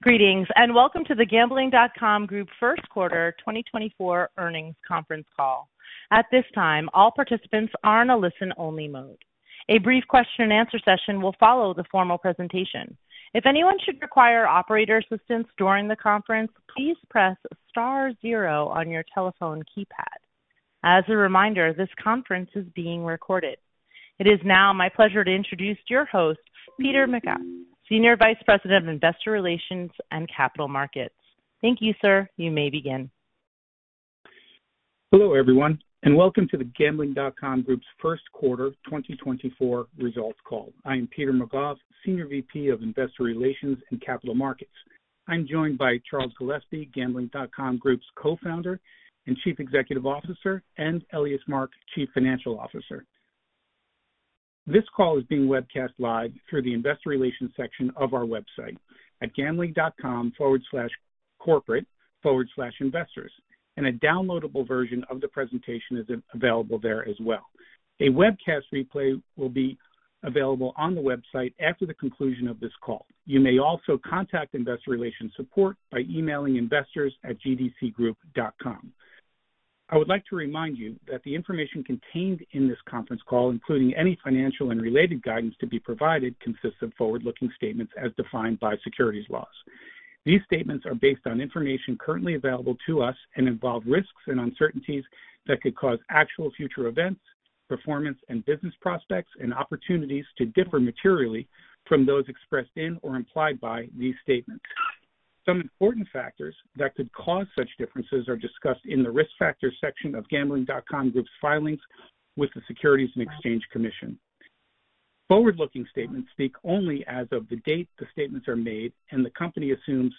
Greetings, and welcome to the Gambling.com Group first quarter 2024 earnings conference call. At this time, all participants are in a listen-only mode. A brief question-and-answer session will follow the formal presentation. If anyone should require operator assistance during the conference, please press star zero on your telephone keypad. As a reminder, this conference is being recorded. It is now my pleasure to introduce your host, Peter McGough, Senior Vice President of Investor Relations and Capital Markets. Thank you, sir. You may begin. Hello, everyone, and welcome to the Gambling.com Group's first quarter 2024 results call. I am Peter McGough, Senior VP of Investor Relations and Capital Markets. I'm joined by Charles Gillespie, Gambling.com Group's Co-founder and Chief Executive Officer, and Elias Mark, Chief Financial Officer. This call is being webcast live through the investor relations section of our website at gambling.com/corporate/investors, and a downloadable version of the presentation is available there as well. A webcast replay will be available on the website after the conclusion of this call. You may also contact investor relations support by emailing investors@gdcgroup.com. I would like to remind you that the information contained in this conference call, including any financial and related guidance to be provided, consists of forward-looking statements as defined by securities laws. These statements are based on information currently available to us and involve risks and uncertainties that could cause actual future events, performance, and business prospects and opportunities to differ materially from those expressed in or implied by these statements. Some important factors that could cause such differences are discussed in the Risk Factors section of Gambling.com Group's filings with the Securities and Exchange Commission. Forward-looking statements speak only as of the date the statements are made, and the company assumes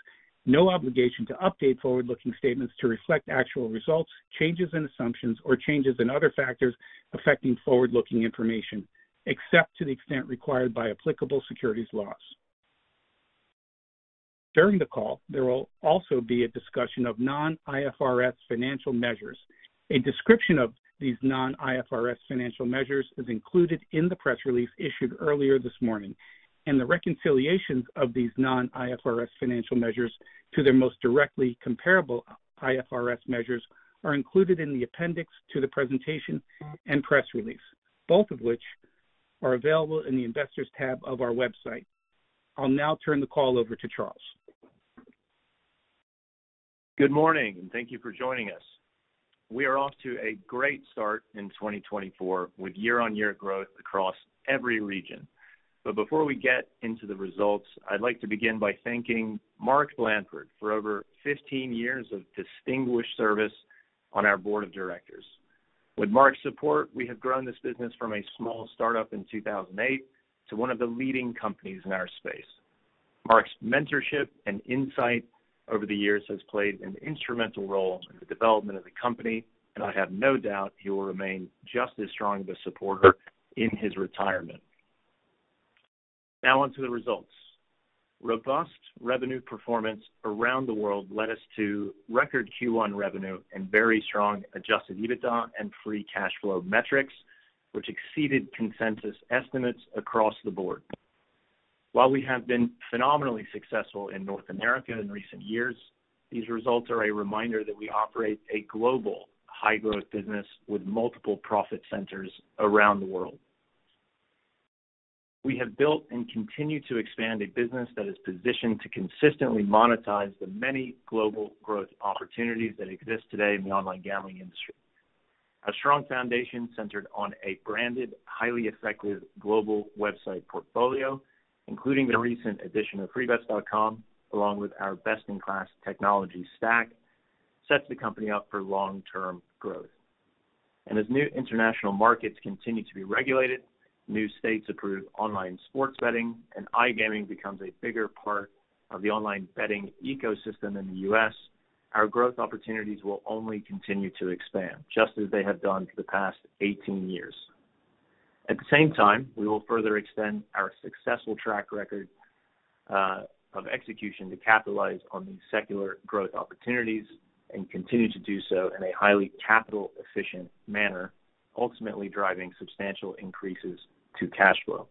no obligation to update forward-looking statements to reflect actual results, changes in assumptions, or changes in other factors affecting forward-looking information, except to the extent required by applicable securities laws. During the call, there will also be a discussion of non-IFRS financial measures. A description of these non-IFRS financial measures is included in the press release issued earlier this morning, and the reconciliations of these non-IFRS financial measures to their most directly comparable IFRS measures are included in the appendix to the presentation and press release, both of which are available in the Investors tab of our website. I'll now turn the call over to Charles. Good morning, and thank you for joining us. We are off to a great start in 2024, with year-on-year growth across every region. Before we get into the results, I'd like to begin by thanking Mark Blandford for over 15 years of distinguished service on our board of directors. With Mark's support, we have grown this business from a small start-up in 2008 to one of the leading companies in our space. Mark's mentorship and insight over the years has played an instrumental role in the development of the company, and I have no doubt he will remain just as strong of a supporter in his retirement. Now on to the results. Robust revenue performance around the world led us to record Q1 revenue and very strong Adjusted EBITDA and Free Cash Flow metrics, which exceeded consensus estimates across the board. While we have been phenomenally successful in North America in recent years, these results are a reminder that we operate a global high-growth business with multiple profit centers around the world. We have built and continue to expand a business that is positioned to consistently monetize the many global growth opportunities that exist today in the online gambling industry. A strong foundation centered on a branded, highly effective global website portfolio, including the recent addition of Freebets.com, along with our best-in-class technology stack, sets the company up for long-term growth. As new international markets continue to be regulated, new states approve online sports betting, and iGaming becomes a bigger part of the online betting ecosystem in the U.S., our growth opportunities will only continue to expand, just as they have done for the past 18 years. At the same time, we will further extend our successful track record of execution to capitalize on these secular growth opportunities and continue to do so in a highly capital-efficient manner, ultimately driving substantial increases to cash flow.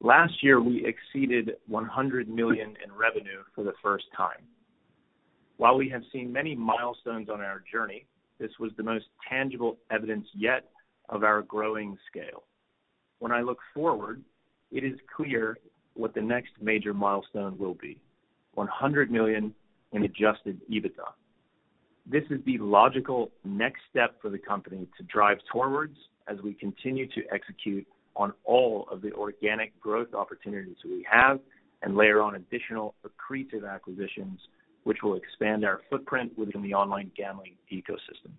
Last year, we exceeded $100 million in revenue for the first time. While we have seen many milestones on our journey, this was the most tangible evidence yet of our growing scale. When I look forward, it is clear what the next major milestone will be: $100 million in Adjusted EBITDA. This is the logical next step for the company to drive towards as we continue to execute on all of the organic growth opportunities we have and layer on additional accretive acquisitions, which will expand our footprint within the online gambling ecosystem.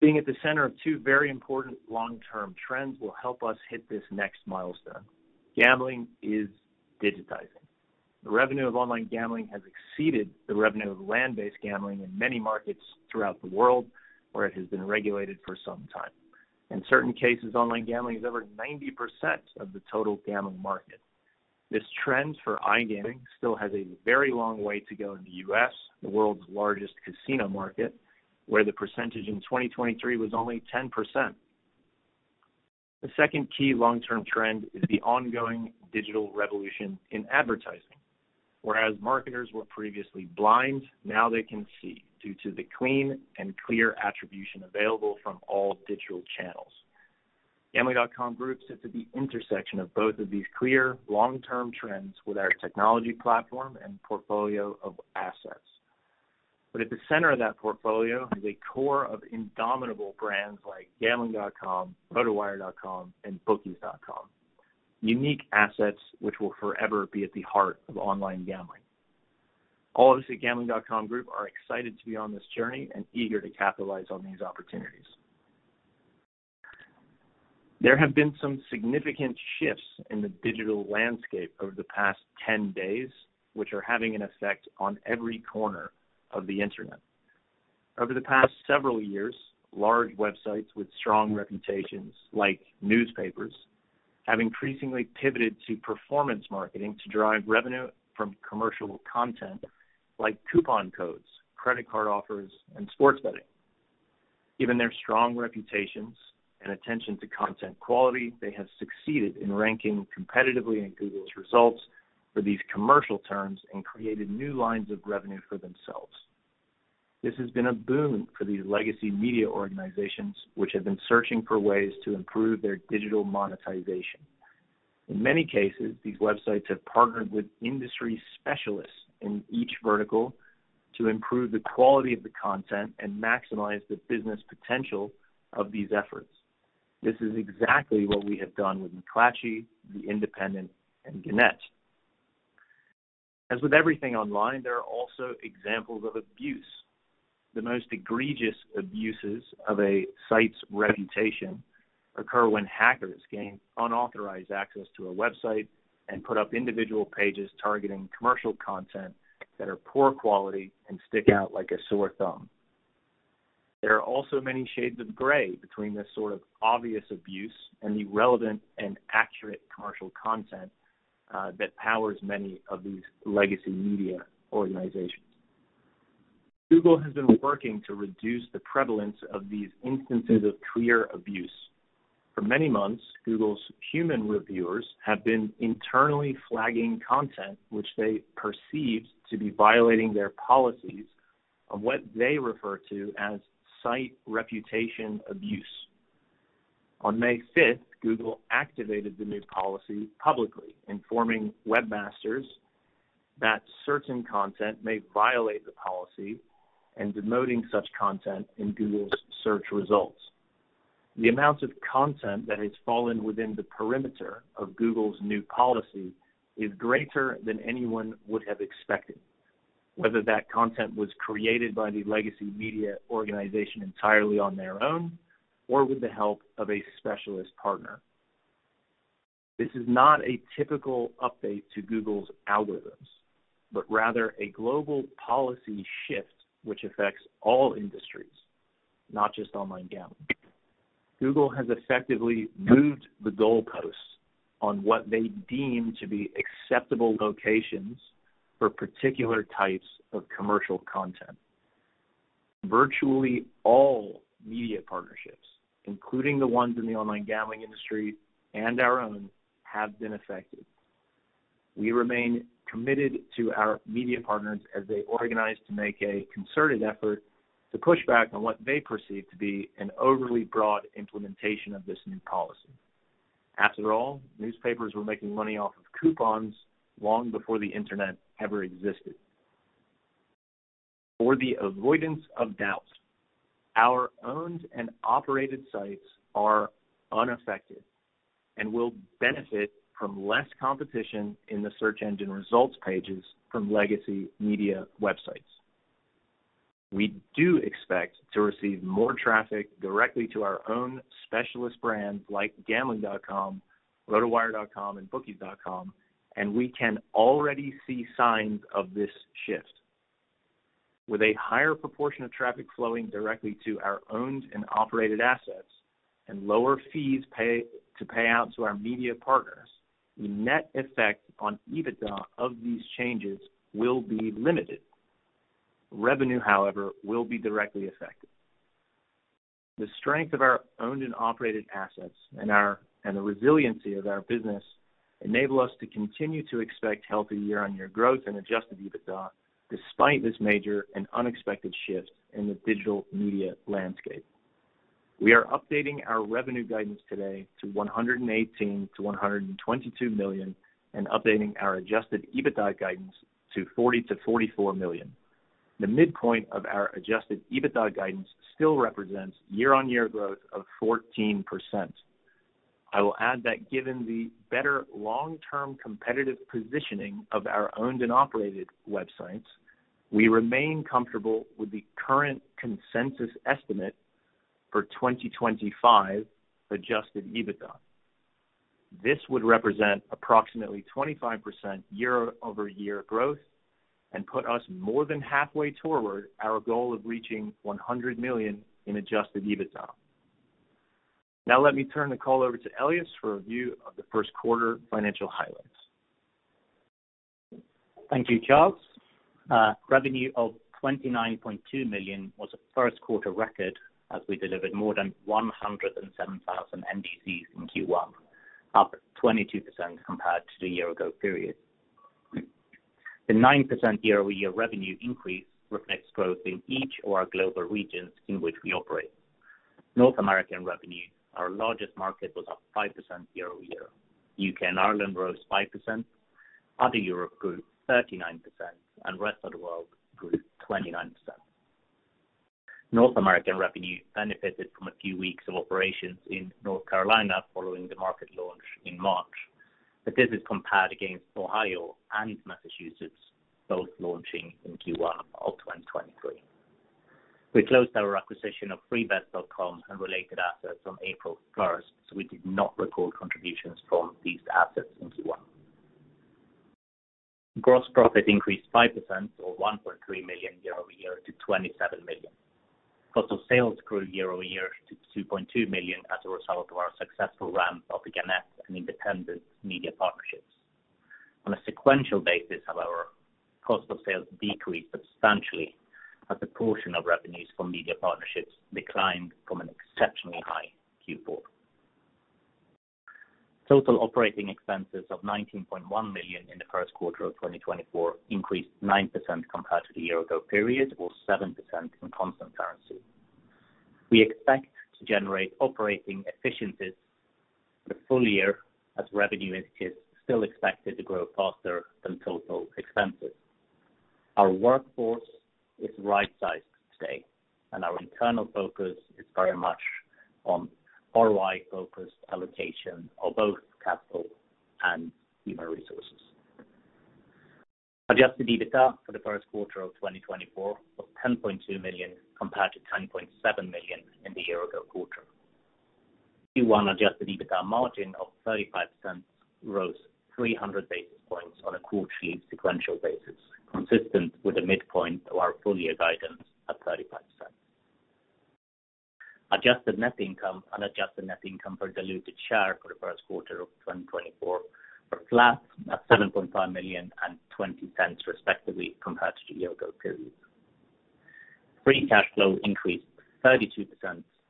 Being at the center of two very important long-term trends will help us hit this next milestone. Gambling is digitizing. The revenue of online gambling has exceeded the revenue of land-based gambling in many markets throughout the world, where it has been regulated for some time. In certain cases, online gambling is over 90% of the total gambling market. This trend for iGaming still has a very long way to go in the U.S., the world's largest casino market, where the percentage in 2023 was only 10%. The second key long-term trend is the ongoing digital revolution in advertising. Whereas marketers were previously blind, now they can see due to the clean and clear attribution available from all digital channels. Gambling.com Group sits at the intersection of both of these clear long-term trends with our technology platform and portfolio of assets. But at the center of that portfolio is a core of indomitable brands like Gambling.com, RotoWire.com, and Bookies.com, unique assets which will forever be at the heart of online gambling. All of us at Gambling.com Group are excited to be on this journey and eager to capitalize on these opportunities. There have been some significant shifts in the digital landscape over the past 10 days, which are having an effect on every corner of the Internet. Over the past several years, large websites with strong reputations, like newspapers, have increasingly pivoted to performance marketing to drive revenue from commercial content like coupon codes, credit card offers, and sports betting. Given their strong reputations and attention to content quality, they have succeeded in ranking competitively in Google's results for these commercial terms and created new lines of revenue for themselves. This has been a boon for these legacy media organizations, which have been searching for ways to improve their digital monetization. In many cases, these websites have partnered with industry specialists in each vertical to improve the quality of the content and maximize the business potential of these efforts. This is exactly what we have done with McClatchy, The Independent, and Gannett. As with everything online, there are also examples of abuse. The most egregious abuses of a site's reputation occur when hackers gain unauthorized access to a website and put up individual pages targeting commercial content that are poor quality and stick out like a sore thumb. There are also many shades of gray between this sort of obvious abuse and the relevant and accurate commercial content that powers many of these legacy media organizations. Google has been working to reduce the prevalence of these instances of clear abuse. For many months, Google's human reviewers have been internally flagging content which they perceived to be violating their policies on what they refer to as site reputation abuse. On May fifth, Google activated the new policy publicly, informing webmasters that certain content may violate the policy and demoting such content in Google's search results. The amount of content that has fallen within the perimeter of Google's new policy is greater than anyone would have expected, whether that content was created by the legacy media organization entirely on their own, or with the help of a specialist partner. This is not a typical update to Google's algorithms, but rather a global policy shift, which affects all industries, not just online gambling. Google has effectively moved the goalposts on what they deem to be acceptable locations for particular types of commercial content. Virtually all media partnerships, including the ones in the online gambling industry and our own, have been affected. We remain committed to our media partners as they organize to make a concerted effort to push back on what they perceive to be an overly broad implementation of this new policy. After all, newspapers were making money off of coupons long before the Internet ever existed. For the avoidance of doubt, our owned and operated sites are unaffected and will benefit from less competition in the search engine results pages from legacy media websites. We do expect to receive more traffic directly to our own specialist brands, like Gambling.com, RotoWire.com, and Bookies.com, and we can already see signs of this shift. With a higher proportion of traffic flowing directly to our owned and operated assets and lower fees to pay out to our media partners, the net effect on EBITDA of these changes will be limited. Revenue, however, will be directly affected. The strength of our owned and operated assets and the resiliency of our business enable us to continue to expect healthy year-on-year growth and Adjusted EBITDA despite this major and unexpected shift in the digital media landscape. We are updating our revenue guidance today to $118 million-$122 million, and updating our Adjusted EBITDA guidance to $40 million-$44 million. The midpoint of our Adjusted EBITDA guidance still represents year-on-year growth of 14%. I will add that given the better long-term competitive positioning of our owned and operated websites, we remain comfortable with the current consensus estimate for 2025 Adjusted EBITDA. This would represent approximately 25% year-over-year growth and put us more than halfway toward our goal of reaching $100 million in Adjusted EBITDA. Now let me turn the call over to Elias for a review of the first quarter financial highlights. Thank you, Charles. Revenue of $29.2 million was a first quarter record as we delivered more than 107,000 NDCs in Q1, up 22% compared to the year ago period. The 9% year-over-year revenue increase reflects growth in each of our global regions in which we operate. North American revenue, our largest market, was up 5% year-over-year. UK and Ireland rose 5%, other Europe grew 39%, and rest of the world grew 29%. North American revenue benefited from a few weeks of operations in North Carolina following the market launch in March, but this is compared against Ohio and Massachusetts, both launching in Q1 of 2023. We closed our acquisition of Freebets.com and related assets on April first, so we did not record contributions from these assets in Q1. Gross profit increased 5% or $1.3 million year-over-year to $27 million. Cost of sales grew year-over-year to $2.2 million as a result of our successful ramp of the Gannett and The Independent media partnerships. On a sequential basis, however, cost of sales decreased substantially as a portion of revenues from media partnerships declined from an exceptionally high Q4. Total operating expenses of $19.1 million in the first quarter of 2024 increased 9% compared to the year-ago period, or 7% in constant currency. We expect to generate operating efficiencies for the full year as revenue is still expected to grow faster than total expenses. Our workforce is right-sized today, and our internal focus is very much on ROI-focused allocation of both capital and human resources. Adjusted EBITDA for the first quarter of 2024 was $10.2 million, compared to $10.7 million in the year ago quarter. Q1 adjusted EBITDA margin of 35% rose 300 basis points on a quarterly sequential basis, consistent with the midpoint of our full year guidance at 35%. Adjusted net income and adjusted net income per diluted share for the first quarter of 2024 were flat at $7.5 million and $0.20, respectively, compared to the year ago period. Free cash flow increased 32%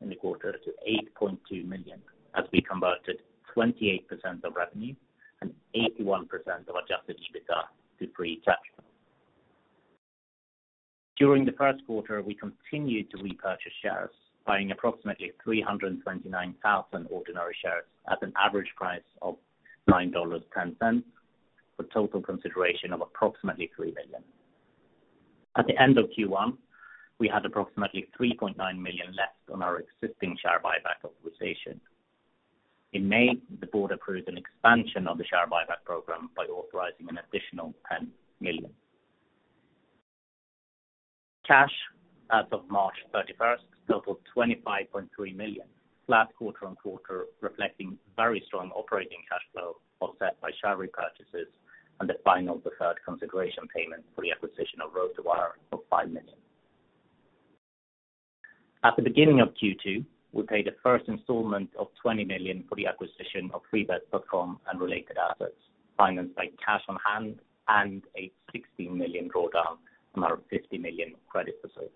in the quarter to $8.2 million, as we converted 28% of revenue and 81% of adjusted EBITDA to free cash. During the first quarter, we continued to repurchase shares, buying approximately 329,000 ordinary shares at an average price of $9.10, for total consideration of approximately $3 million. At the end of Q1, we had approximately $3.9 million left on our existing share buyback authorization. In May, the board approved an expansion of the share buyback program by authorizing an additional $10 million. Cash as of March 31st total $25.3 million, flat quarter-over-quarter, reflecting very strong operating cash flow, offset by share repurchases and the final deferred consideration payment for the acquisition of RotoWire of $5 million. At the beginning of Q2, we paid a first installment of $20 million for the acquisition of Freebets.com and related assets, financed by cash on hand and a $16 million draw down from our $50 million credit facility.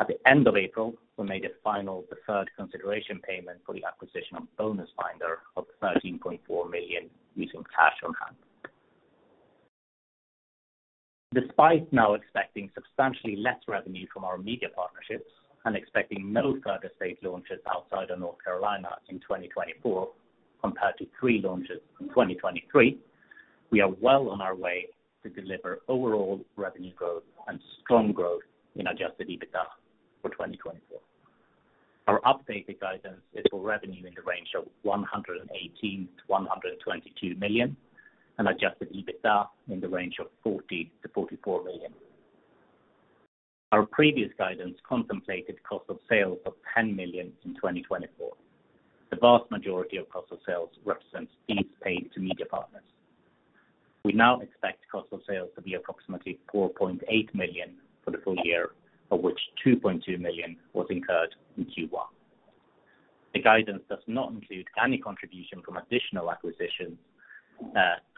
At the end of April, we made a final deferred consideration payment for the acquisition of BonusFinder of $13.4 million, using cash on hand. Despite now expecting substantially less revenue from our media partnerships and expecting no further state launches outside of North Carolina in 2024, compared to three launches in 2023, we are well on our way to deliver overall revenue growth and strong growth in Adjusted EBITDA for 2024. Our updated guidance is for revenue in the range of $118 million-$122 million, and Adjusted EBITDA in the range of $40 million-$44 million. Our previous guidance contemplated cost of sales of $10 million in 2024. The vast majority of cost of sales represents fees paid to media partners. We now expect cost of sales to be approximately $4.8 million for the full year, of which $2.2 million was incurred in Q1. The guidance does not include any contribution from additional acquisitions,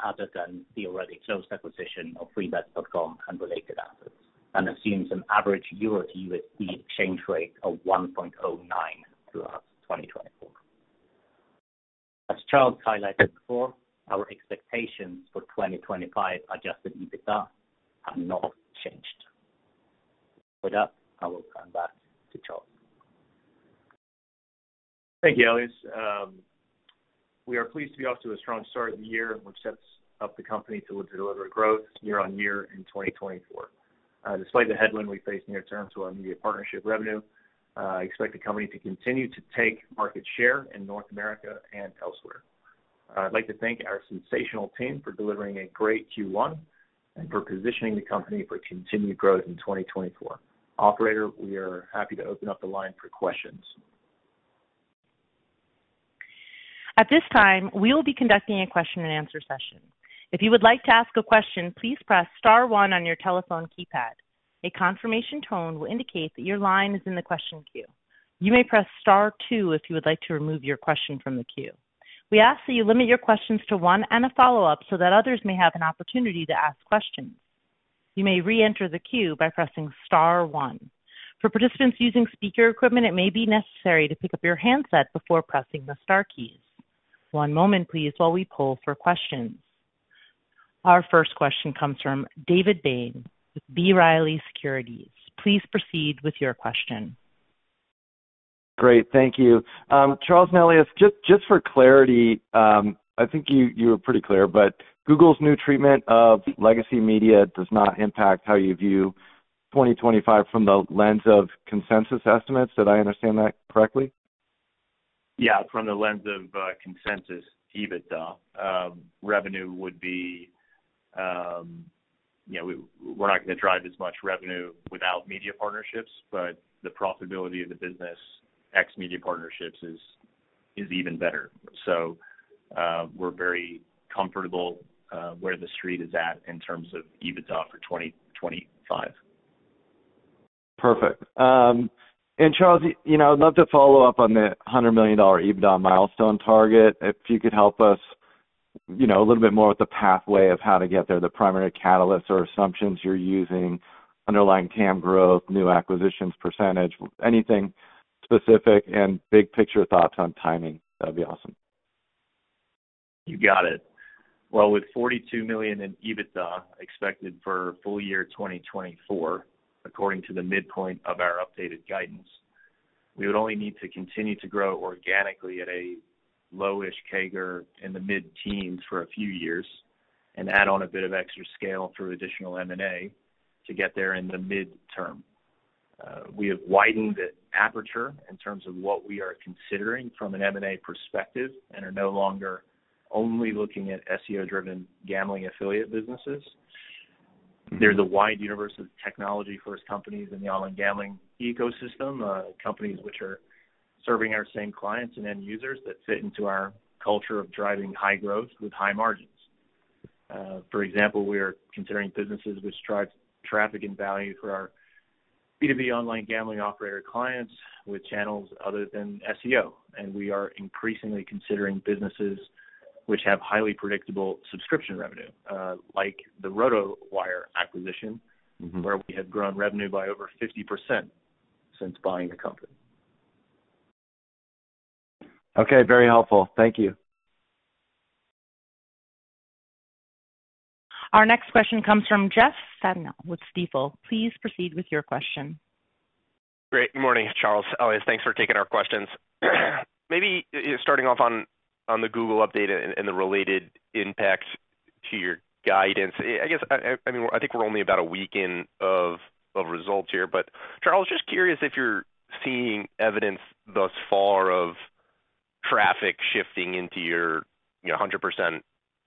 other than the already closed acquisition of Freebets.com and related assets, and assumes an average EUR to USD exchange rate of 1.09 throughout 2024. As Charles highlighted before, our expectations for 2025 Adjusted EBITDA have not changed. With that, I will turn back to Charles. Thank you, Elias. We are pleased to be off to a strong start in the year, which sets up the company to deliver growth year on year in 2024. Despite the headwind we face near term to our media partnership revenue, I expect the company to continue to take market share in North America and elsewhere. I'd like to thank our sensational team for delivering a great Q1 and for positioning the company for continued growth in 2024. Operator, we are happy to open up the line for questions. At this time, we will be conducting a question and answer session. If you would like to ask a question, please press star one on your telephone keypad. A confirmation tone will indicate that your line is in the question queue. You may press star two if you would like to remove your question from the queue. We ask that you limit your questions to one and a follow-up so that others may have an opportunity to ask questions. You may reenter the queue by pressing star one. For participants using speaker equipment, it may be necessary to pick up your handset before pressing the star keys. One moment, please, while we poll for questions. Our first question comes from David Bain with B. Riley Securities. Please proceed with your question. Great. Thank you. Charles and Elias, just for clarity, I think you were pretty clear, but Google's new treatment of legacy media does not impact how you view 2025 from the lens of consensus estimates. Did I understand that correctly? Yeah, from the lens of consensus EBITDA. Revenue would be, you know, we're not going to drive as much revenue without media partnerships, but the profitability of the business, ex media partnerships is even better. So, we're very comfortable where the street is at in terms of EBITDA for 2025. Perfect. Charles, you know, I'd love to follow up on the $100 million EBITDA milestone target. If you could help us, you know, a little bit more with the pathway of how to get there, the primary catalysts or assumptions you're using, underlying TAM growth, new acquisitions percentage, anything specific and big picture thoughts on timing, that'd be awesome. You got it. Well, with $42 million in EBITDA expected for full year 2024, according to the midpoint of our updated guidance, we would only need to continue to grow organically at a lowish CAGR in the mid-teens for a few years and add on a bit of extra scale through additional M&A to get there in the midterm. We have widened the aperture in terms of what we are considering from an M&A perspective and are no longer only looking at SEO-driven gambling affiliate businesses. There's a wide universe of technology-first companies in the online gambling ecosystem, companies which are serving our same clients and end users that fit into our culture of driving high growth with high margins. For example, we are considering businesses which drive traffic and value for our B2B online gambling operator clients with channels other than SEO. We are increasingly considering businesses which have highly predictable subscription revenue, like the RotoWire acquisition- Mm-hmm. -where we have grown revenue by over 50% since buying the company. Okay, very helpful. Thank you. Our next question comes from Jeff Stantial with Stifel. Please proceed with your question. Great. Good morning, Charles. Always, thanks for taking our questions. Maybe starting off on the Google update and the related impacts to your guidance. I guess, I mean, I think we're only about a week in of results here, but Charles, just curious if you're seeing evidence thus far of traffic shifting into your, you know, 100%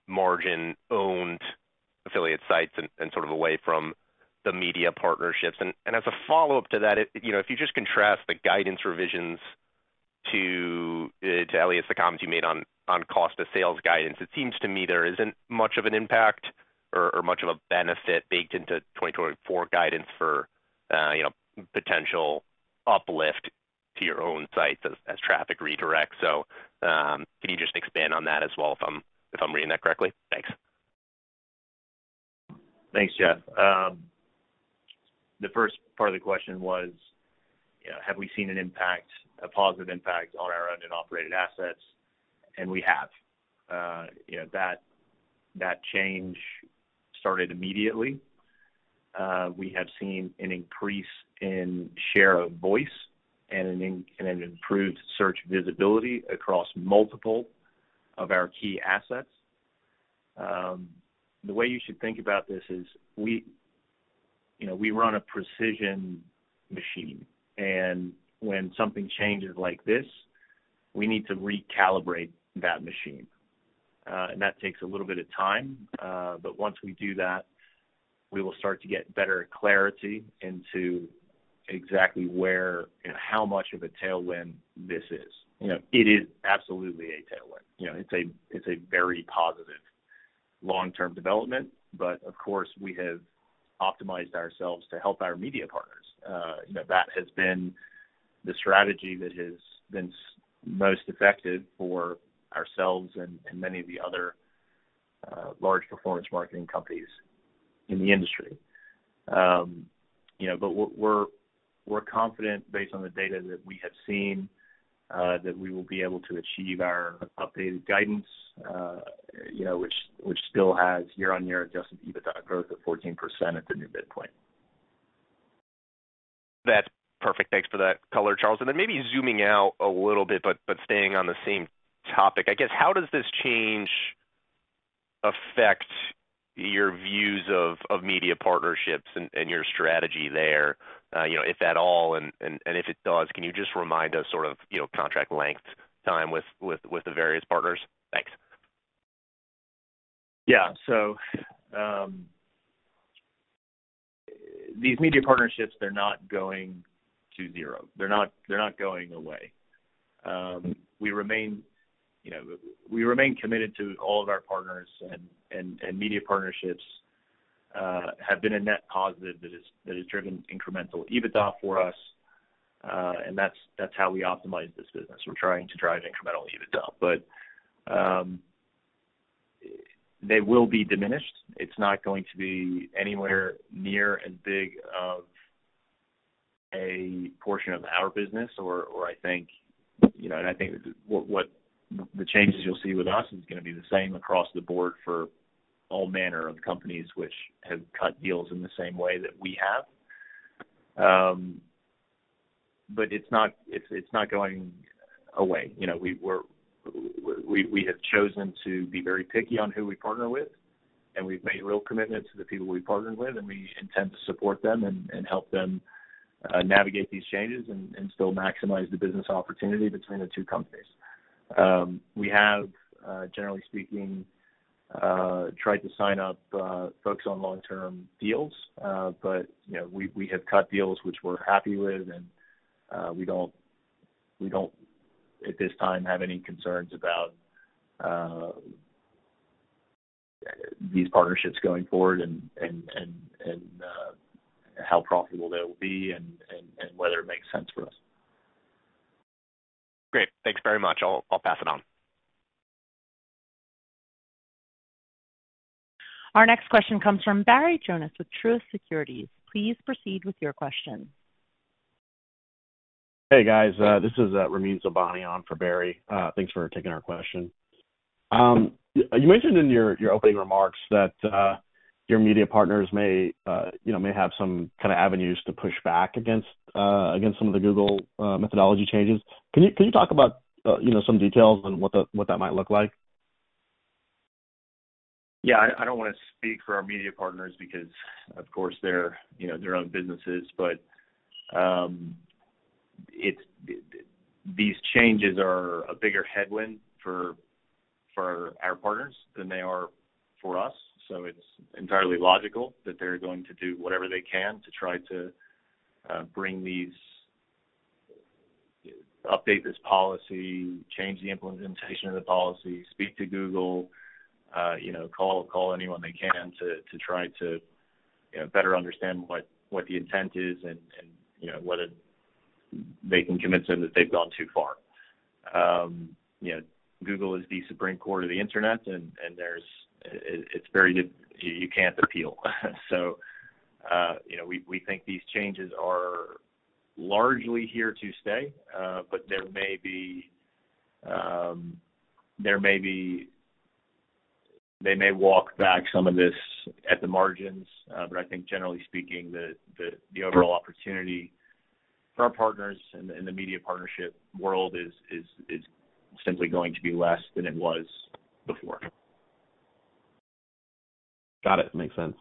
margin owned affiliate sites and sort of away from the media partnerships. And as a follow-up to that, you know, if you just contrast the guidance revisions to Elias, the comments you made on cost of sales guidance, it seems to me there isn't much of an impact or much of a benefit baked into 2024 guidance for, you know, potential uplift to your own sites as traffic redirects. So, can you just expand on that as well, if I'm, if I'm reading that correctly? Thanks. Thanks, Jeff. The first part of the question was, you know, have we seen an impact, a positive impact on our owned and operated assets? And we have. You know, that change started immediately. We have seen an increase in share of voice and an improved search visibility across multiple of our key assets. The way you should think about this is we, you know, we run a precision machine, and when something changes like this, we need to recalibrate that machine. And that takes a little bit of time, but once we do that, we will start to get better clarity into exactly where and how much of a tailwind this is. You know, it is absolutely a tailwind. You know, it's a, it's a very positive long-term development, but of course, we have optimized ourselves to help our media partners. You know, that has been the strategy that has been most effective for ourselves and, and many of the other, large performance marketing companies in the industry. You know, but we're, we're, we're confident based on the data that we have seen, that we will be able to achieve our updated guidance, you know, which, which still has year-on-year Adjusted EBITDA growth of 14% at the new midpoint. That's perfect. Thanks for that color, Charles. And then maybe zooming out a little bit, but staying on the same topic, I guess, how does this change affect your views of media partnerships and your strategy there? You know, if at all, and if it does, can you just remind us sort of, you know, contract length time with the various partners? Thanks. Yeah. So, these media partnerships, they're not going to zero. They're not, they're not going away. We remain, you know, we remain committed to all of our partners and media partnerships have been a net positive that has driven incremental EBITDA for us, and that's how we optimize this business. We're trying to drive incremental EBITDA. But, they will be diminished. It's not going to be anywhere near as big of a portion of our business or I think, you know, and I think what the changes you'll see with us is gonna be the same across the board for all manner of companies which have cut deals in the same way that we have. But it's not going away. You know, we have chosen to be very picky on who we partner with, and we've made real commitments to the people we partnered with, and we intend to support them and help them navigate these changes and still maximize the business opportunity between the two companies. We have, generally speaking, tried to sign up folks on long-term deals. But, you know, we have cut deals which we're happy with, and we don't, at this time, have any concerns about these partnerships going forward and how profitable they will be and whether it makes sense for us. Great. Thanks very much. I'll pass it on. Our next question comes from Barry Jonas with Truist Securities. Please proceed with your question. Hey, guys, this is Ramin Sobhany on for Barry. Thanks for taking our question. You mentioned in your opening remarks that your media partners may, you know, may have some kind of avenues to push back against some of the Google methodology changes. Can you talk about, you know, some details on what that might look like? Yeah, I don't wanna speak for our media partners because, of course, they're, you know, their own businesses. But these changes are a bigger headwind for our partners than they are for us, so it's entirely logical that they're going to do whatever they can to try to bring these updates, change the implementation of the policy, speak to Google, you know, call anyone they can to try to, you know, better understand what the intent is and, you know, whether they can convince them that they've gone too far. You know, Google is the Supreme Court of the internet, and there's, it's very good. You can't appeal. So, you know, we think these changes are largely here to stay, but there may be. They may walk back some of this at the margins. But I think generally speaking, the overall opportunity for our partners in the media partnership world is simply going to be less than it was before. Got it. Makes sense.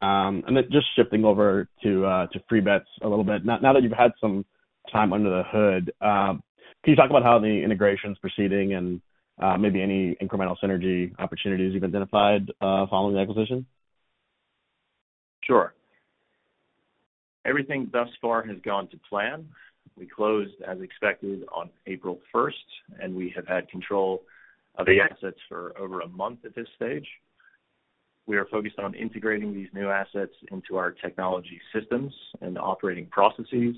And then just shifting over to, to Free Bets a little bit. Now, now that you've had some time under the hood, can you talk about how the integration's proceeding and, maybe any incremental synergy opportunities you've identified, following the acquisition? Sure. Everything thus far has gone to plan. We closed as expected on April 1st, and we have had control of the assets for over a month at this stage. We are focused on integrating these new assets into our technology systems and operating processes.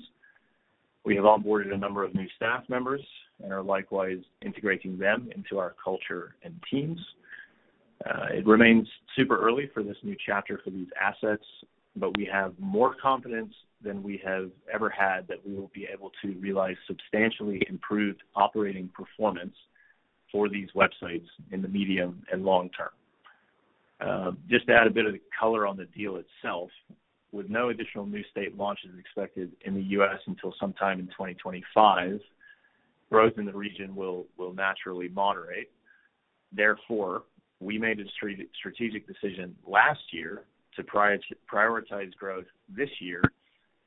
We have onboarded a number of new staff members and are likewise integrating them into our culture and teams. It remains super early for this new chapter for these assets, but we have more confidence than we have ever had that we will be able to realize substantially improved operating performance for these websites in the medium and long term. Just to add a bit of color on the deal itself, with no additional new state launches expected in the U.S. until sometime in 2025, growth in the region will naturally moderate. Therefore, we made a strategic decision last year to prioritize growth this year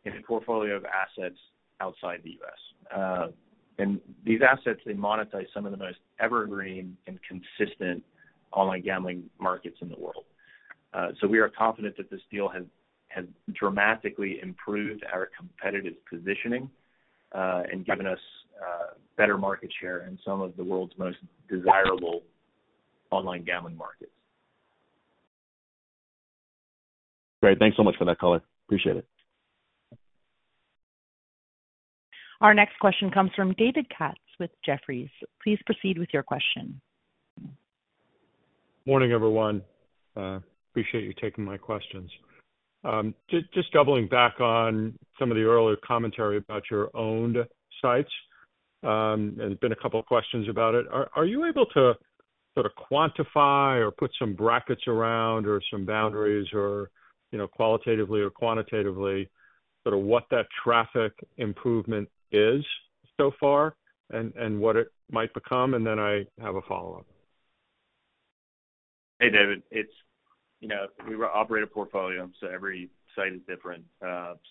in a portfolio of assets outside the US. And these assets, they monetize some of the most evergreen and consistent online gambling markets in the world. So we are confident that this deal has dramatically improved our competitive positioning, and given us better market share in some of the world's most desirable online gambling markets. Great. Thanks so much for that color. Appreciate it. Our next question comes from David Katz with Jefferies. Please proceed with your question. Morning, everyone. Appreciate you taking my questions. Just doubling back on some of the earlier commentary about your owned sites, and there's been a couple of questions about it. Are you able to sort of quantify or put some brackets around or some boundaries or, you know, qualitatively or quantitatively, sort of what that traffic improvement is so far and what it might become? And then I have a follow-up. Hey, David. It's, you know, we operate a portfolio, so every site is different.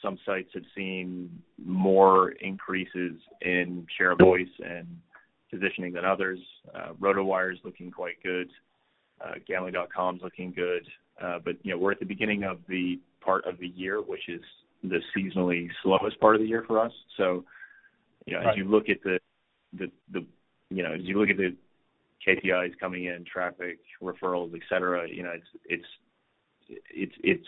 Some sites have seen more increases in share of voice and positioning than others. RotoWire is looking quite good. Gambling.com is looking good. But, you know, we're at the beginning of the part of the year, which is the seasonally slowest part of the year for us. So... Yeah, as you look at the KPIs coming in, traffic, referrals, et cetera, you know, it's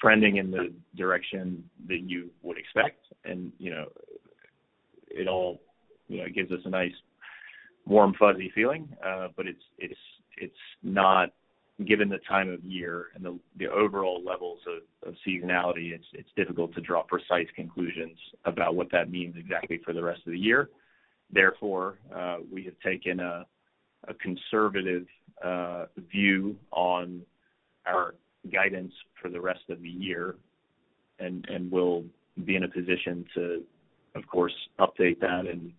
trending in the direction that you would expect. And, you know, it all, you know, gives us a nice, warm, fuzzy feeling. But it's not, given the time of year and the overall levels of seasonality, it's difficult to draw precise conclusions about what that means exactly for the rest of the year. Therefore, we have taken a conservative view on our guidance for the rest of the year. And we'll be in a position to, of course, update that and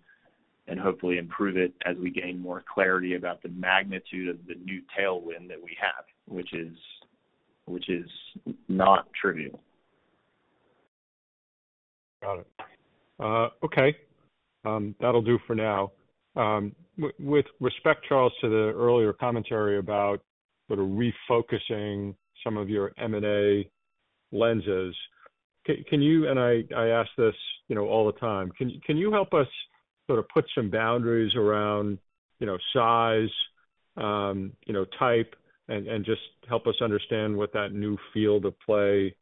hopefully improve it as we gain more clarity about the magnitude of the new tailwind that we have, which is not trivial. Got it. Okay. That'll do for now. With respect, Charles, to the earlier commentary about sort of refocusing some of your M&A lenses, can you... And I ask this, you know, all the time, can you help us sort of put some boundaries around, you know, size, you know, type, and just help us understand what that new field of play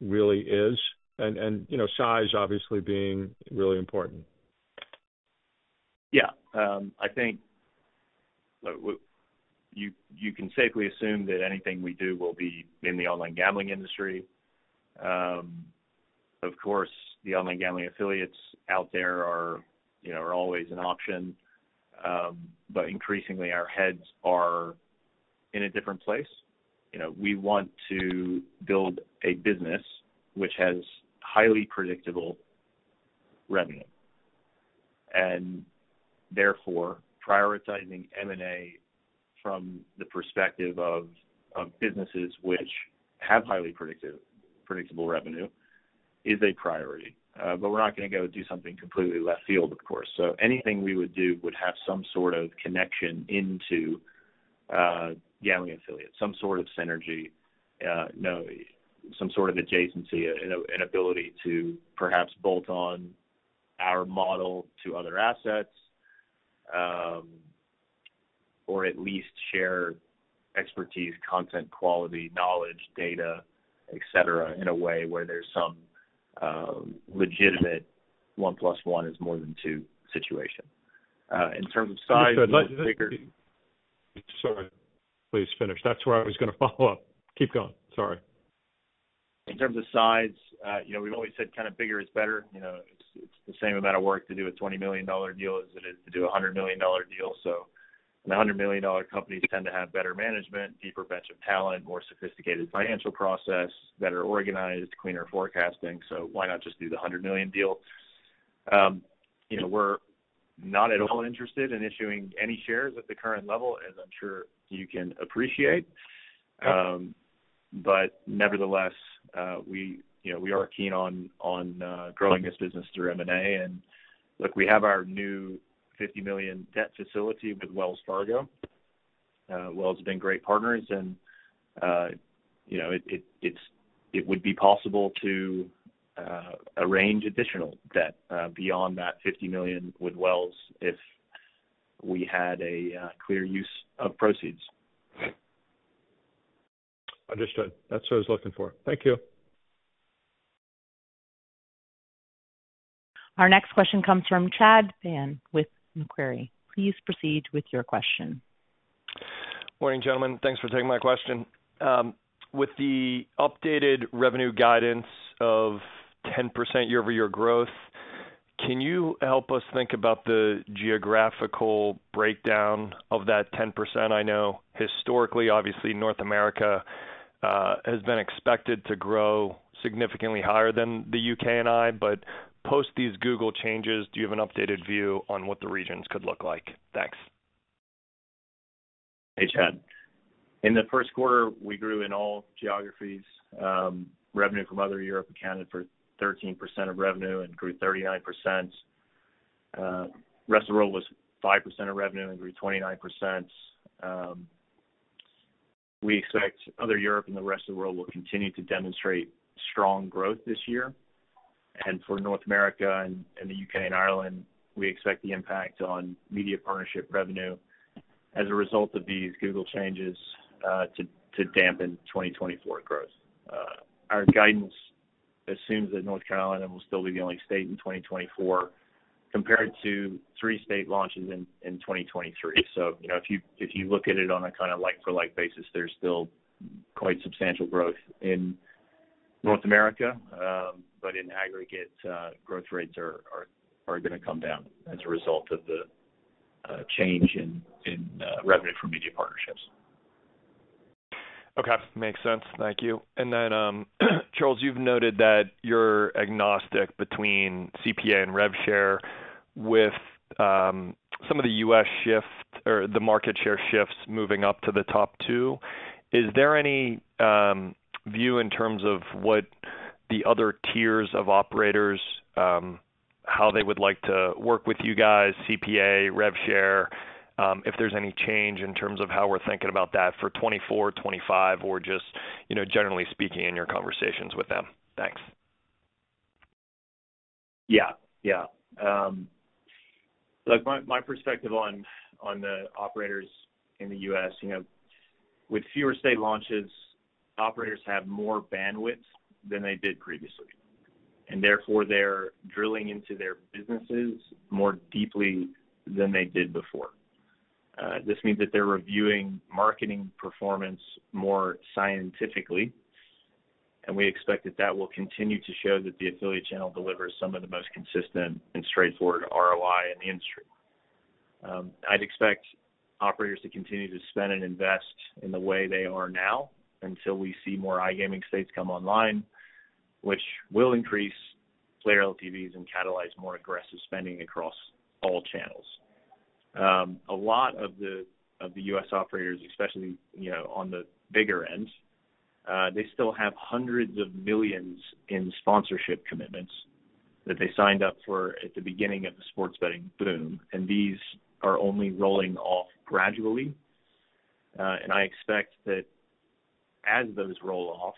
really is? And, you know, size obviously being really important. Yeah. I think, you can safely assume that anything we do will be in the online gambling industry. Of course, the online gambling affiliates out there are, you know, are always an option. But increasingly, our heads are in a different place. You know, we want to build a business which has highly predictable revenue, and therefore, prioritizing M&A from the perspective of businesses which have highly predictable revenue is a priority. But we're not gonna go do something completely left field, of course. So anything we would do would have some sort of connection into gambling affiliates, some sort of synergy, you know, some sort of adjacency, an ability to perhaps bolt on our model to other assets, or at least share expertise, content, quality, knowledge, data, et cetera, in a way where there's some legitimate one plus one is more than two situation. In terms of size, bigger- Sorry, please finish. That's where I was gonna follow up. Keep going. Sorry. In terms of size, you know, we've always said kind of bigger is better. You know, it's the same amount of work to do a $20 million deal as it is to do a $100 million deal. So and $100 million companies tend to have better management, deeper bench of talent, more sophisticated financial process, better organized, cleaner forecasting. So why not just do the $100 million deal? You know, we're not at all interested in issuing any shares at the current level, as I'm sure you can appreciate. But nevertheless, you know, we are keen on growing this business through M&A. And look, we have our new $50 million debt facility with Wells Fargo. Wells has been great partners and, you know, it would be possible to arrange additional debt beyond that $50 million with Wells if we had a clear use of proceeds. Understood. That's what I was looking for. Thank you. Our next question comes from Chad Beynon with Macquarie. Please proceed with your question. Morning, gentlemen. Thanks for taking my question. With the updated revenue guidance of 10% year-over-year growth, can you help us think about the geographical breakdown of that 10%? I know historically, obviously, North America has been expected to grow significantly higher than the U.K. and I, but post these Google changes, do you have an updated view on what the regions could look like? Thanks. Hey, Chad. In the first quarter, we grew in all geographies. Revenue from other Europe accounted for 13% of revenue and grew 39%. Rest of the world was 5% of revenue and grew 29%. We expect other Europe and the rest of the world will continue to demonstrate strong growth this year. And for North America and, and the U.K. and Ireland, we expect the impact on media partnership revenue as a result of these Google changes to dampen 2024 growth. Our guidance assumes that North Carolina will still be the only state in 2024, compared to 3 state launches in 2023. So, you know, if you, if you look at it on a kind of like-for-like basis, there's still quite substantial growth in North America. But in aggregate, growth rates are gonna come down as a result of the change in revenue from media partnerships. Okay. Makes sense. Thank you. And then, Charles, you've noted that you're agnostic between CPA and rev share with, some of the US shift-- or the market share shifts moving up to the top two. Is there any view in terms of what the other tiers of operators, how they would like to work with you guys, CPA, rev share, if there's any change in terms of how we're thinking about that for 2024, 2025, or just, you know, generally speaking, in your conversations with them? Thanks. Yeah, yeah. Look, my perspective on the operators in the U.S., you know, with fewer state launches, operators have more bandwidth than they did previously, and therefore, they're drilling into their businesses more deeply than they did before. This means that they're reviewing marketing performance more scientifically, and we expect that will continue to show that the affiliate channel delivers some of the most consistent and straightforward ROI in the industry. I'd expect operators to continue to spend and invest in the way they are now until we see more iGaming states come online, which will increase player LTVs and catalyze more aggressive spending across all channels. A lot of the, of the U.S. operators, especially, you know, on the bigger end, they still have hundreds of millions in sponsorship commitments that they signed up for at the beginning of the sports betting boom, and these are only rolling off gradually. And I expect that as those roll off,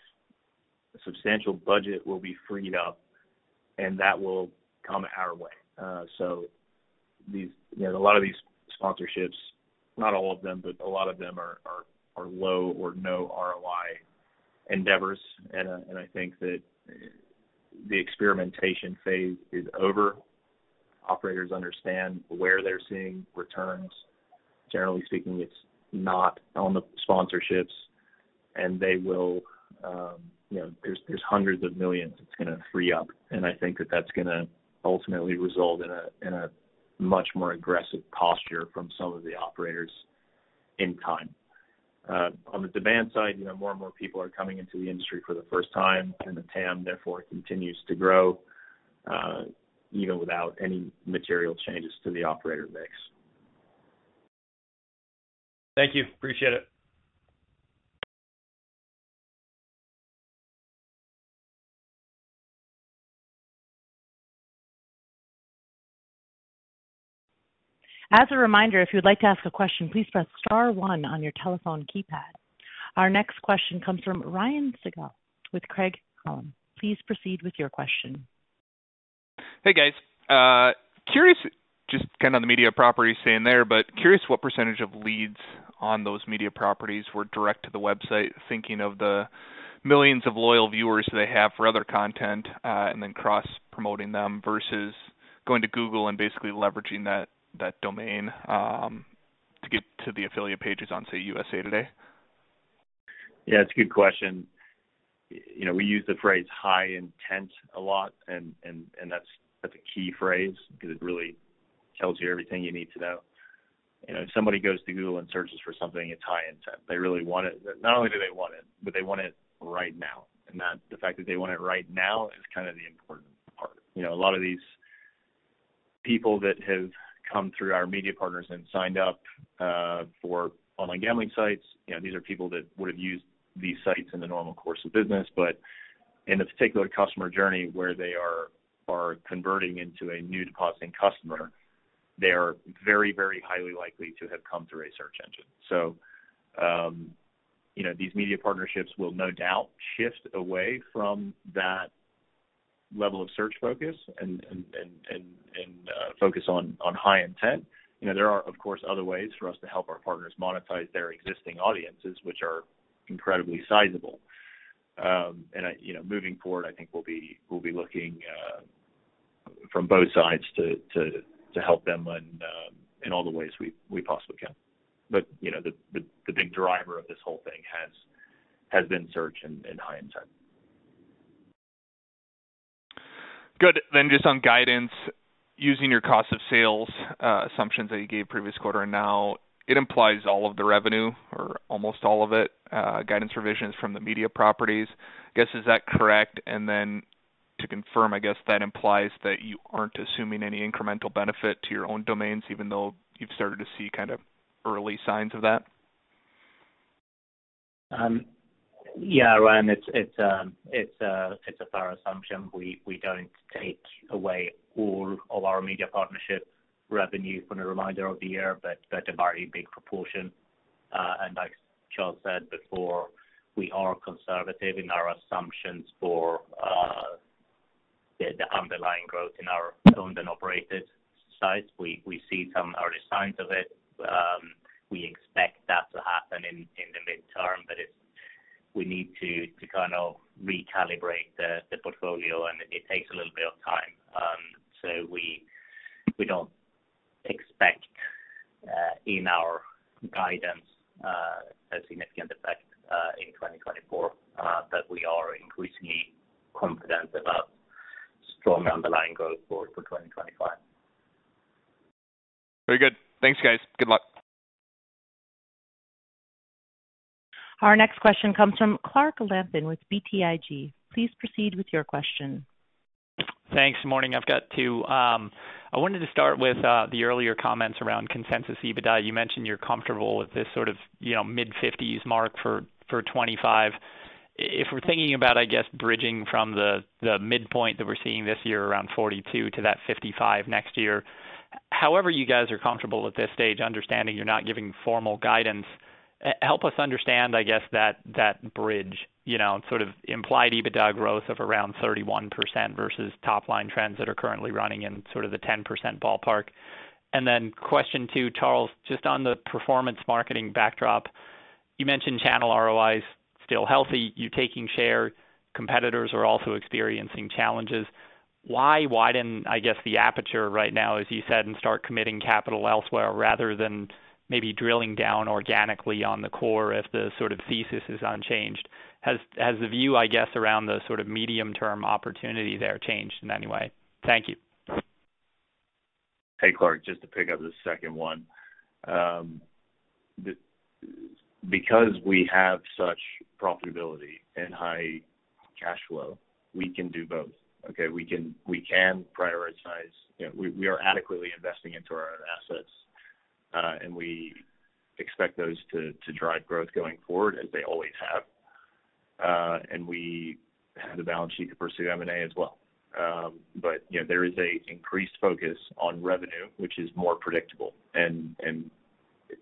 a substantial budget will be freed up, and that will come our way. So these, you know, a lot of these sponsorships, not all of them, but a lot of them are, are, are low or no ROI endeavors. And I think that the experimentation phase is over. Operators understand where they're seeing returns. Generally speaking, it's not on the sponsorships, and they will, you know, there's hundreds of millions that's gonna free up, and I think that that's gonna ultimately result in a much more aggressive posture from some of the operators in time. On the demand side, you know, more and more people are coming into the industry for the first time, and the TAM, therefore, continues to grow, even without any material changes to the operator mix. Thank you. Appreciate it. As a reminder, if you'd like to ask a question, please press star one on your telephone keypad. Our next question comes from Ryan Sigdahl with Craig-Hallum. Please proceed with your question. Hey, guys. Curious, just kind of on the media property staying there, but curious what percentage of leads on those media properties were direct to the website, thinking of the millions of loyal viewers they have for other content, and then cross-promoting them versus going to Google and basically leveraging that, that domain, to get to the affiliate pages on, say, USA Today? Yeah, it's a good question. You know, we use the phrase high intent a lot, and that's a key phrase because it really tells you everything you need to know. You know, if somebody goes to Google and searches for something, it's high intent. They really want it. Not only do they want it, but they want it right now, and that- the fact that they want it right now is kind of the important part. You know, a lot of these people that have come through our media partners and signed up for online gambling sites, you know, these are people that would have used these sites in the normal course of business, but in a particular customer journey where they are converting into a new depositing customer, they are very, very highly likely to have come through a search engine. So, you know, these media partnerships will no doubt shift away from that level of search focus and focus on high intent. You know, there are, of course, other ways for us to help our partners monetize their existing audiences, which are incredibly sizable. And I, you know, moving forward, I think we'll be looking from both sides to help them in all the ways we possibly can. But, you know, the big driver of this whole thing has been search and high intent. Good. Then just on guidance, using your cost of sales assumptions that you gave previous quarter and now, it implies all of the revenue or almost all of it guidance revisions from the media properties. I guess, is that correct? And then to confirm, I guess that implies that you aren't assuming any incremental benefit to your own domains, even though you've started to see kind of early signs of that. Yeah, Ryan, it's a fair assumption. We don't take away all of our media partnership revenue from the remainder of the year, but a very big proportion. And like Charles said before, we are conservative in our assumptions for the underlying growth in our owned and operated sites. We see some early signs of it. We expect that to happen in the midterm, but it's... We need to kind of recalibrate the portfolio, and it takes a little bit of time. So we don't expect, in our guidance, a significant effect, in 2024, but we are increasingly confident about strong underlying growth for 2025. Very good. Thanks, guys. Good luck. Our next question comes from Clark Lampen with BTIG. Please proceed with your question. Thanks. Morning. I've got two. I wanted to start with the earlier comments around consensus EBITDA. You mentioned you're comfortable with this sort of, you know, mid-fifties mark for 25. If we're thinking about, I guess, bridging from the midpoint that we're seeing this year around 42 to that 55 next year,... however you guys are comfortable at this stage, understanding you're not giving formal guidance, help us understand, I guess, that bridge, you know, sort of implied EBITDA growth of around 31% versus top-line trends that are currently running in sort of the 10% ballpark. And then question two, Charles, just on the performance marketing backdrop, you mentioned channel ROI is still healthy, you're taking share, competitors are also experiencing challenges. Why widen, I guess, the aperture right now, as you said, and start committing capital elsewhere rather than maybe drilling down organically on the core if the sort of thesis is unchanged? Has the view, I guess, around the sort of medium-term opportunity there changed in any way? Thank you. Hey, Clark, just to pick up the second one. Because we have such profitability and high cash flow, we can do both, okay? We can, we can prioritize. You know, we, we are adequately investing into our own assets, and we expect those to drive growth going forward as they always have. And we have the balance sheet to pursue M&A as well. But, you know, there is an increased focus on revenue, which is more predictable. And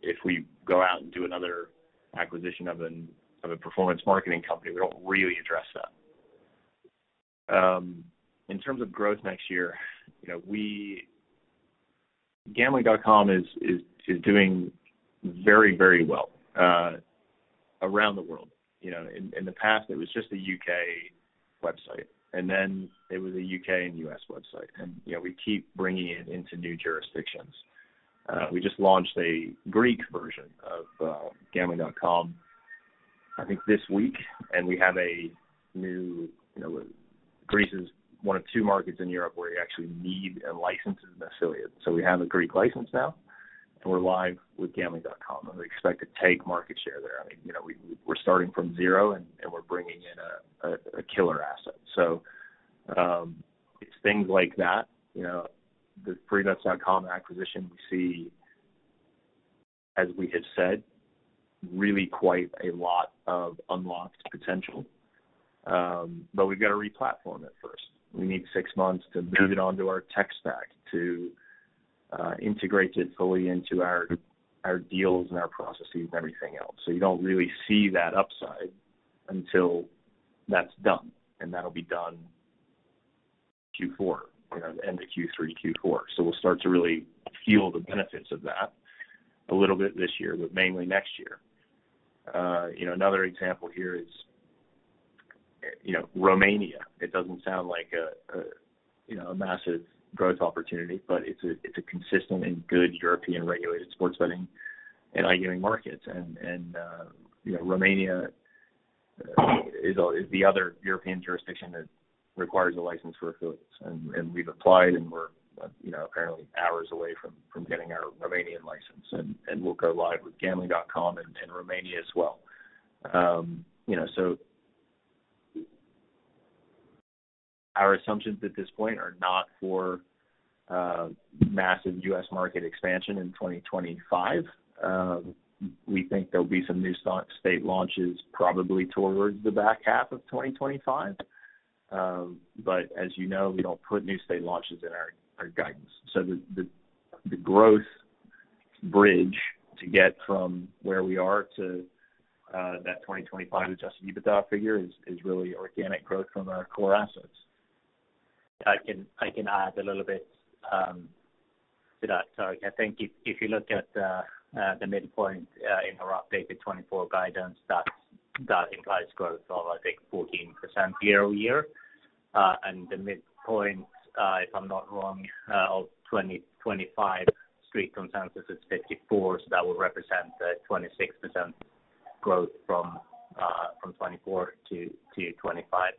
if we go out and do another acquisition of a performance marketing company, we don't really address that. In terms of growth next year, you know, we, Gambling.com is doing very, very well around the world. You know, in the past, it was just a U.K. website, and then it was a U.K. and U.S. website. And, you know, we keep bringing it into new jurisdictions. We just launched a Greek version of Gambling.com, I think this week, and we have a new. You know, Greece is one of two markets in Europe where you actually need a license as an affiliate. So we have a Greek license now, and we're live with Gambling.com, and we expect to take market share there. I mean, you know, we, we're starting from zero and we're bringing in a killer asset. So, it's things like that, you know, the Freebets.com acquisition we see, as we have said, really quite a lot of unlocked potential, but we've got to re-platform it first. We need six months to move it onto our tech stack, to integrate it fully into our deals and our processes and everything else. So you don't really see that upside until that's done, and that'll be done Q4, you know, end of Q3, Q4. So we'll start to really feel the benefits of that a little bit this year, but mainly next year. You know, another example here is, you know, Romania. It doesn't sound like a you know, a massive growth opportunity, but it's a consistent and good European regulated sports betting and iGaming market. And you know, Romania is the other European jurisdiction that requires a license for affiliates. And we've applied, and we're you know, apparently hours away from getting our Romanian license, and we'll go live with Gambling.com in Romania as well. You know, so our assumptions at this point are not for massive U.S. market expansion in 2025. We think there'll be some new state launches probably towards the back half of 2025. But as you know, we don't put new state launches in our guidance. So the growth bridge to get from where we are to that 2025 Adjusted EBITDA figure is really organic growth from our core assets. I can add a little bit to that. So I think if you look at the midpoint in our updated 2024 guidance, that implies growth of, I think, 14% year-over-year. And the midpoint, if I'm not wrong, of 2025 street consensus is 54, so that will represent the 26% growth from 2024 to 2025.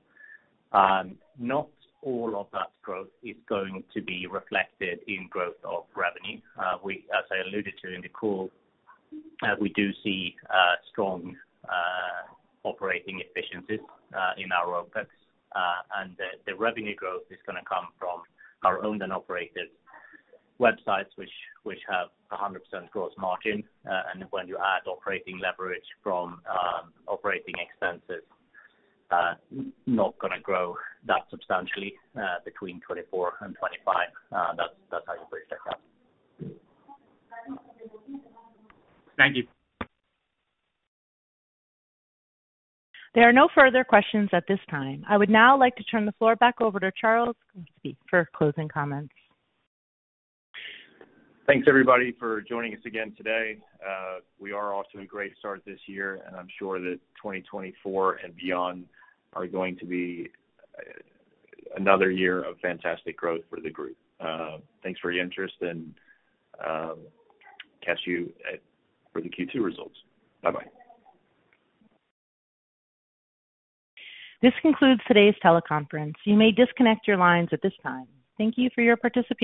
Not all of that growth is going to be reflected in growth of revenue. We, as I alluded to in the call, we do see strong operating efficiencies in our OpEx. And the revenue growth is gonna come from our owned and operated websites, which have a 100% gross margin. And when you add operating leverage from operating expenses not gonna grow that substantially between 2024 and 2025. That's how you bridge that gap. Thank you. There are no further questions at this time. I would now like to turn the floor back over to Charles to speak for closing comments. Thanks, everybody, for joining us again today. We are off to a great start this year, and I'm sure that 2024 and beyond are going to be another year of fantastic growth for the group. Thanks for your interest, and catch you for the Q2 results. Bye-bye. This concludes today's teleconference. You may disconnect your lines at this time. Thank you for your participation